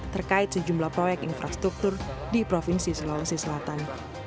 terkait sejumlah proyek infrastruktur di provinsi sulawesi selatan